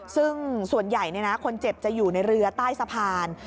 ซึ่งส่วนใหญ่คนเจ็บจะอยู่ในเรือใต้สะพาน